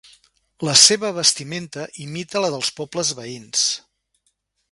La seva vestimenta imita la dels pobles veïns.